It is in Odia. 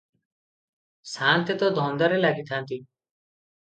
ସାଆନ୍ତେ ତ ଧନ୍ଦାରେ ଲାଗିଥାନ୍ତି ।